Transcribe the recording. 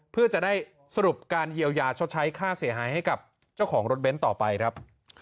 เพื่อจะได้สรุปการเยียวยาชดใช้ค่าเสียหายให้กับเจ้าของรถเบนท์ต่อไปครับ